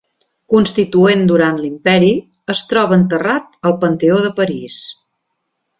Constituent durant l'Imperi, es troba enterrat al Panteó de París.